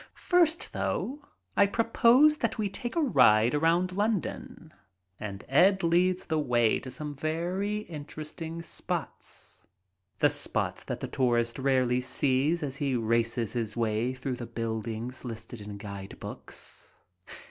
First, though, I propose that we take a ride about London, and Ed leads the way to some very interesting spots, the spots that the tourist rarely sees as he races his way through the buildings listed in guide books.